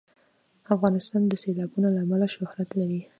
افغانستان د سیلابونه له امله شهرت لري.